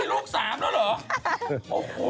ลูก๓แล้วเหรอ